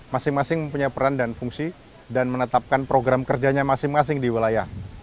masing masing mempunyai peran dan fungsi dan menetapkan program kerjanya masing masing di wilayah